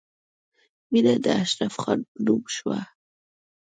مینه د اشرف خان په نوم شوه